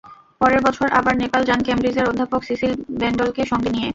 পরের বছর আবার নেপাল যান কেমব্রিজের অধ্যাপক সিসিল বেন্ডলকে সঙ্গে নিয়ে।